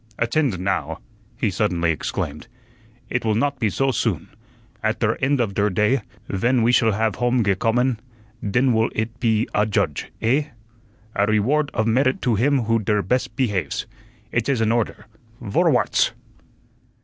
"Attend now," he suddenly exclaimed. "It will not be soh soon. At der end of der day, ven we shall have home gecommen, den wull it pe adjudge, eh? A REward of merit to him who der bes' pehaves. It is an order. Vorwarts!"